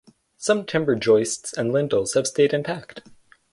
Some timber joists and lintels have stayed intact.